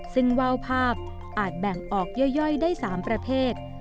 ซึ่งว่าวภาพอาจแบ่งออกย่อยได้๓ประเภท